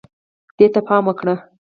دې ته پام وکړه